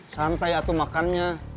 santai waktu makannya